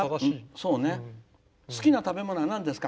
好きな食べ物はなんですか？